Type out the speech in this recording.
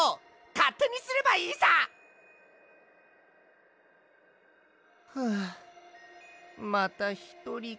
かってにすればいいさ！はあまたひとりか。